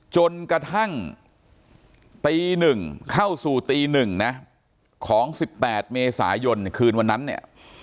จนกระทั่งตีหนึ่งเข้าสู่ตีหนึ่งนะของสิบแปดเมษายนคืนวันนั้นเนี้ย